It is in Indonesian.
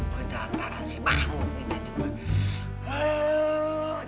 berdantaran si mahmud ini